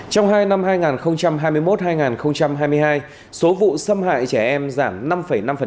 trong hai năm hai nghìn hai mươi một hai nghìn hai mươi hai số vụ xâm hại trẻ em giảm năm năm